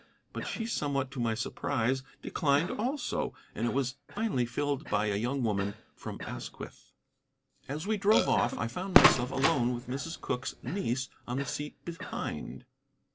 But she, somewhat to my surprise, declined also, and it was finally filled by a young woman from Asquith. As we drove off I found myself alone with Mrs. Cooke's niece on the seat behind.